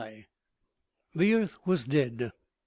THE earth was dead.